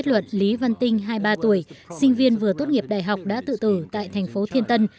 cơ quan điều tra kết luật lý văn tinh hai mươi ba tuổi sinh viên vừa tốt nghiệp đại học đã tự tử tại thành phố thiên tân